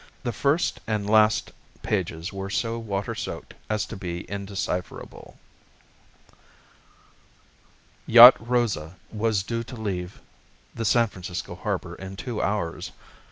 The first and last pages were so water soaked as to be indecipherable.) Yacht Rosa was due to leave the San Francisco harbor in two hours.